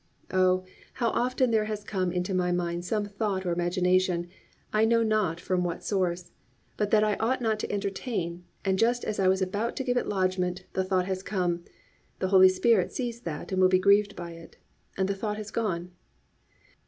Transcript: Oh, how often there has come into my mind some thought or imagination, I know not from what source, but that I ought not to entertain, and just as I was about to give it lodgment, the thought has come, "The Holy Spirit sees that and will be grieved by it," and the thought has gone.